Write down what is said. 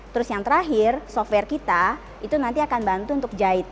terus yang terakhir software kita itu nanti akan bantu untuk jahit